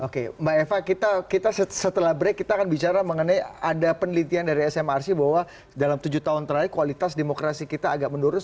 oke mbak eva kita setelah break kita akan bicara mengenai ada penelitian dari smrc bahwa dalam tujuh tahun terakhir kualitas demokrasi kita agak menurun